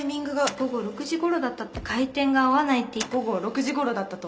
午後６時ごろだった回転が合わない午後６時ごろだったと。